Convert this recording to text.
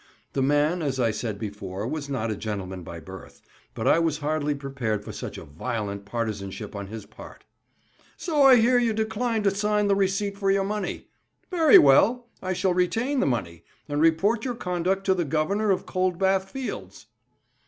The man, as I said before, was not a gentleman by birth, but I was hardly prepared for such violent partizanship on his part. "So I hear you decline to sign the receipt for your money. Very well; I shall retain the money, and report your conduct to the Governor of Cold Bath Fields."